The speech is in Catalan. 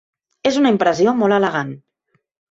És una impressió molt elegant.